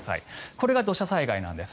これが土砂災害なんです。